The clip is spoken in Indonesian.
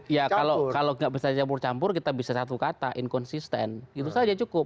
ya kalau nggak bisa campur campur kita bisa satu kata inkonsisten gitu saja cukup